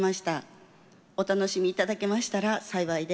お楽しみ頂けましたら幸いです。